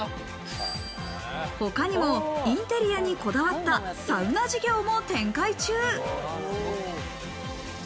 他にもインテリアにこだわったサウナ事業も展開中。